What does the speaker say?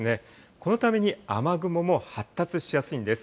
このために雨雲も発達しやすいんです。